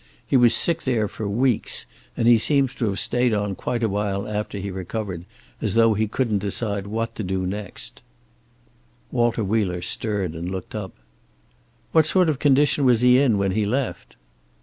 He was sick there for weeks, and he seems to have stayed on quite a while after he recovered, as though he couldn't decide what to do next." Walter Wheeler stirred and looked up. "What sort of condition was he in when he left?"